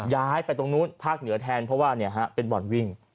ย้ายไปตรงนู้นภาคเหนือแทนเพราะว่าเป็นบ่อนวิ่ง